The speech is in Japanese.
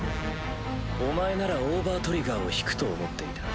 お前ならオーバートリガーを引くと思っていた。